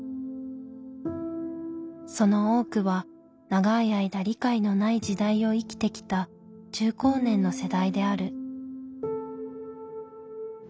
その多くは長い間理解のない時代を生きてきた中高年の世代である。